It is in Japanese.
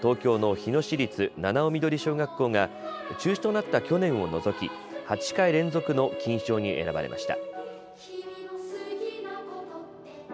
日野市立七生緑小学校が中止となった去年を除き８回連続の金賞に選ばれました。